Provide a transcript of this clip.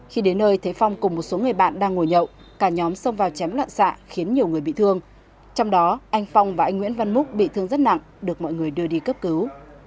khi đến nơi thấy phong cùng một số người bạn đang ngồi nhậu cả nhóm xông vào chém loạn xạ khiến nhiều người bị thương trong đó anh phong và anh nguyễn văn múc bị thương rất nặng được mọi người đưa đi cấp cứu